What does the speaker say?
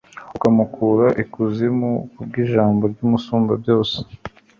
ukamukura ikuzimu, ku bw'ijambo ry'umusumbabyose